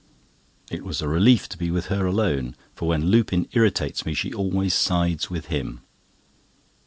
It was a relief to be with her alone; for when Lupin irritates me, she always sides with him.